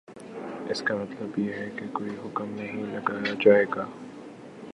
اس کا مطلب یہ ہے کہ کوئی حکم نہیں لگایا جائے گا